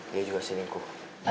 dia juga selingkuh